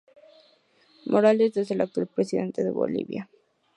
Morales es el actual presidente de Bolivia.